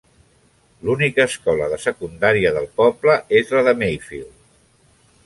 L'única escola de secundària del poble és la de Mayfield.